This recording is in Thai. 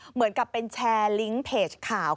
เหมือนกับเป็นแชร์ลิงก์เพจข่าว